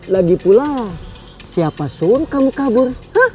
lagipula siapa suruh kamu kabur